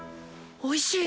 おいしい弓？